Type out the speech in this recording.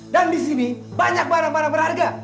dan di sini banyak barang barang berharga